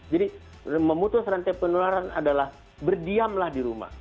jadi memutus rantai penularan adalah berdiamlah di rumah